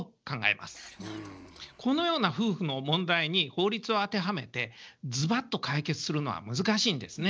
このような夫婦の問題に法律を当てはめてずばっと解決するのは難しいんですね。